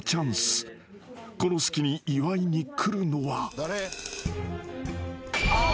［この隙に祝いに来るのは］